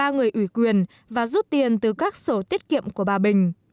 ba người ủy quyền và rút tiền từ các sổ tiết kiệm của bà bình